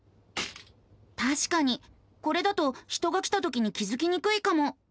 たしかにこれだと人が来たときに気付きにくいかも。